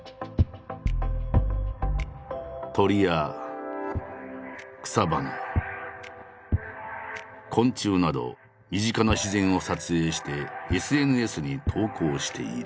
鳥や草花昆虫など身近な自然を撮影してＳＮＳに投稿している。